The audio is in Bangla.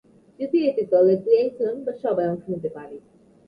যদিও এতে দলের দুই একজন বা সবাই অংশ নিতে পারে।